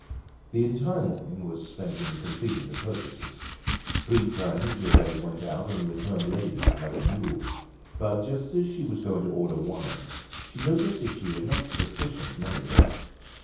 The entire morning was spent in completing the purchases. Three times Gervaise went out and returned laden like a mule. But just as she was going to order wine she noticed that she had not sufficient money left.